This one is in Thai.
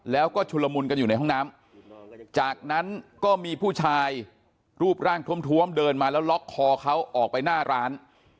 แล้วก็ชุลมุนกันอยู่ในห้องน้ำจากนั้นก็มีผู้ชายรูปร่างทวมเดินมาแล้วล็อกคอเขาออกไปหน้าร้าน